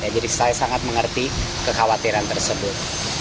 jadi saya sangat mengerti kekhawatiran tersebut